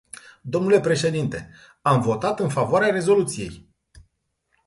Dle președinte, am votat în favoarea rezoluției.